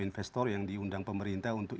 investor yang diundang pemerintah untuk